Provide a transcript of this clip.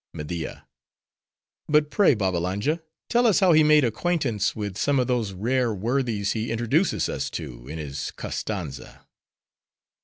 MEDIA—But pray, Babbalanja, tell us how he made acquaintance with some of those rare worthies, he introduces us to, in his Koztanza.